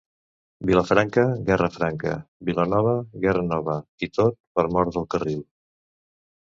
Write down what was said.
Vilafranca, guerra franca; Vilanova, guerra nova... i tot per mor del carril.